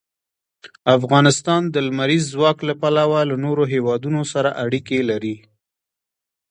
افغانستان د لمریز ځواک له پلوه له نورو هېوادونو سره اړیکې لري.